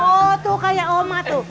oh tuh kayak oma tuh